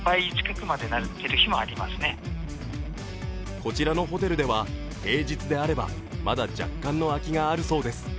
こちらのホテルでは、平日であればまだ若干の空きがあるそうです。